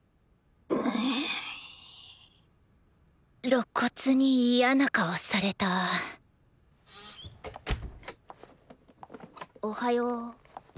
露骨に嫌な顔されたおはよ。